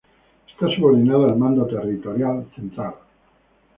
Está subordinada al Mando Territorial Central.